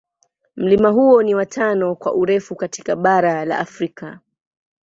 Mlima huo ni wa tano kwa urefu katika bara la Afrika.